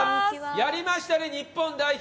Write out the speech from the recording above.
やりましたね、日本代表。